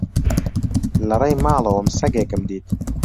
لە ڕێی ماڵەوەم سەگێکم دیت.